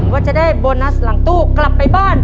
ว่าจะได้โบนัสหลังตู้กลับไปบ้าน